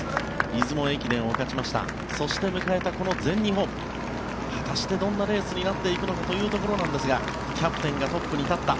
出雲駅伝を勝ちましたそして迎えた全日本果たしてどんなレースになっていくのかというところなんですがキャプテンがトップに立った。